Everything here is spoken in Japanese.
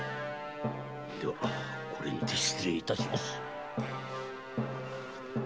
ではこれにて失礼致します。